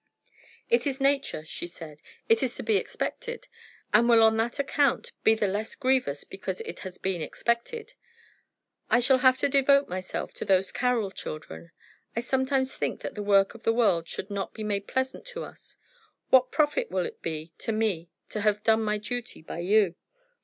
"It is nature," she said. "It is to be expected, and will on that account be the less grievous because it has been expected. I shall have to devote myself to those Carroll children. I sometimes think that the work of the world should not be made pleasant to us. What profit will it be to me to have done my duty by you?